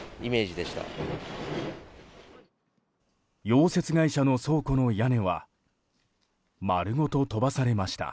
溶接会社の倉庫の屋根は丸ごと飛ばされました。